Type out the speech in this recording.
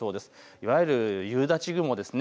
いわゆる夕立雲ですね。